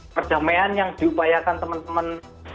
perdamaian yang diupayakan teman teman